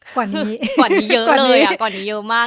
กว่านี้เยอะเลยอ่ะกว่านี้เยอะมาก